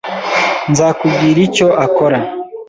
Nzakubwira icyo akora.